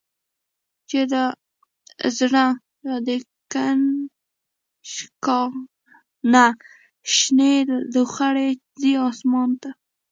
چی له زړه د«کنشکا» نه، شنی لوخړی ځی آسمان ته